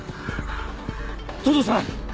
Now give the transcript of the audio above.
東堂さん。